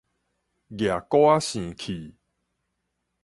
攑鼓仔扇去